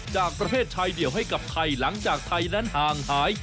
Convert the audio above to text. จากประเภทชายเดี่ยวให้กับไทยหลังจากไทยนั้นห่างหาย